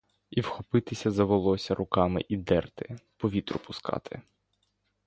І вхопитися за волосся руками і дерти, по вітру пускати.